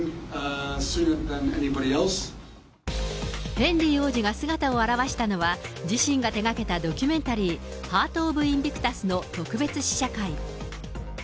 ヘンリー王子が姿を現したのは、自身が手掛けたドキュメンタリー、ハート・オブ・インビクタスの特別試写会。